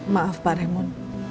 maaf pak raymond